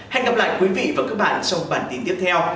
hẹn gặp lại quý vị và các bạn trong bản tin tiếp theo